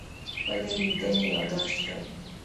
خپلې لیدنې یادداشت کړئ.